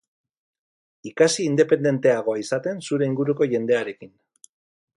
Ikasi independenteagoa izaten zure inguruko jendearekin.